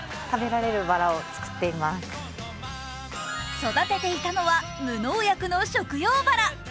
育てていたのは無農薬の食用バラ。